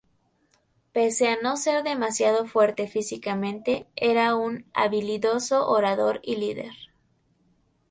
Pese a no ser demasiado fuerte físicamente, era un habilidoso orador y líder.